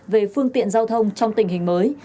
về phương tiện giao thông trong tình hình mới